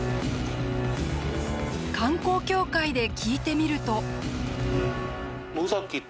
観光協会で聞いてみると。